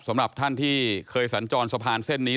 สำหรับท่านที่เคยสัญจรสะพานเส้นนี้